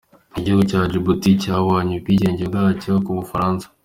Igihugu cya Djibouti cyabonye ubwigenge bwacyo ku Bufaransa.